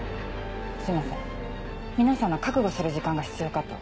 すいません皆さんが覚悟する時間が必要かと。